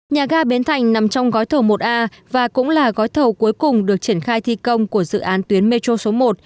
nhà ga bến thành nằm trong gói thầu một a và cũng là gói thầu cuối cùng được triển khai thi công của dự án tuyến metro số một